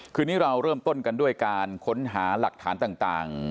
คืนนี้เราเริ่มต้นกันด้วยการค้นหาหลักฐานต่าง